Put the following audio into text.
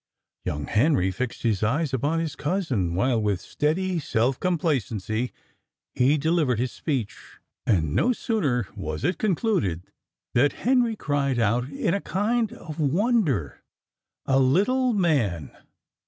Young Henry fixed his eyes upon his cousin, while, with steady self complacency, he delivered this speech, and no sooner was it concluded than Henry cried out in a kind of wonder, "A little man!